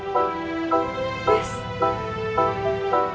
yang ab solving